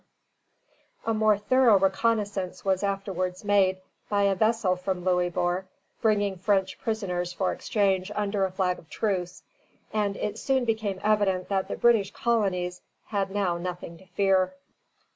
_] A more thorough reconnoissance was afterwards made by a vessel from Louisbourg bringing French prisoners for exchange under a flag of truce; and it soon became evident that the British colonies had now nothing to fear.